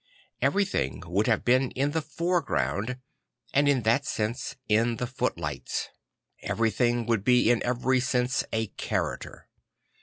Every thing would have been in the foreground; and in that sense in the footlights. Everything would be in every sense a character.